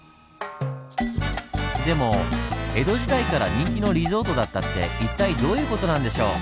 でも江戸時代から人気のリゾートだったって一体どういう事なんでしょう？